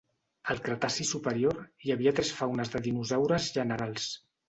Al Cretaci superior hi havia tres faunes de dinosaures generals.